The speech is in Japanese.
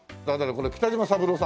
これ北島三郎さん？